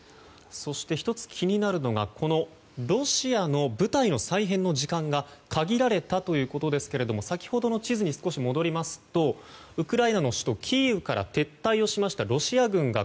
そして、１つ気になるのがロシアの部隊の再編の時間が限られたということですけども先ほどの地図に戻りますとウクライナの首都キーウから撤退をしましたロシア軍が